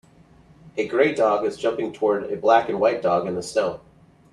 A gray dog is jumping toward a black and white dog in the snow.